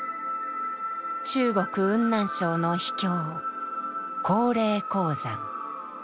中国雲南省の秘境高黎貢山。